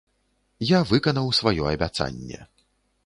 Я выканаў сваё абяцанне.